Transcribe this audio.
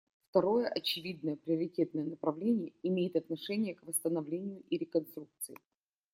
Второе очевидное приоритетное направление имеет отношение к восстановлению и реконструкции.